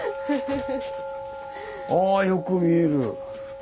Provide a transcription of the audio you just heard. あよく見える。